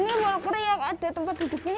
ini yang ada tempat duduknya ya